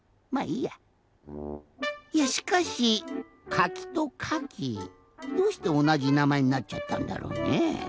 いやしかし「かき」と「かき」どうしておなじなまえになっちゃったんだろうね？